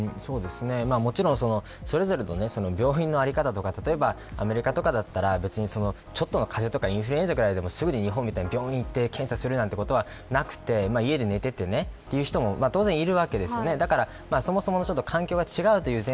もちろんそれぞれの病院の在り方とか例えばアメリカとかだったらちょっとの風邪とかインフルエンザくらいでもすぐに日本みたいに病院に行って検査するみたいなことはなくて家で寝ててねみたいな人も当然いるわけです。